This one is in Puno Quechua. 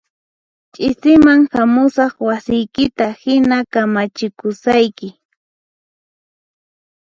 Ch'isiman hamusaq wasiykita hina kamachikusayki